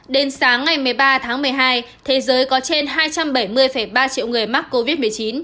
đến sáng ngày một mươi ba tháng một mươi hai thế giới có trên hai trăm bảy mươi ba triệu người mắc covid một mươi chín